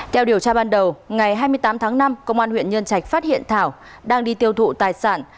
theo điều tra ban đầu ngày hai mươi tám tháng năm công an huyện nhân trạch phát hiện thảo đang đi tiêu thụ tài sản